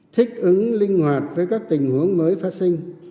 thích ứng linh hoạt với các tình huống mới phát sinh